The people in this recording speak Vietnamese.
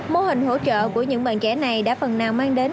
mô hình hỗ trợ của những bạn trẻ này đã phần nào mang đến